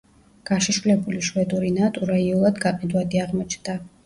გაშიშვლებული შვედური ნატურა იოლად გაყიდვადი აღმოჩნდა.